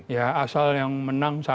ya asal yang menang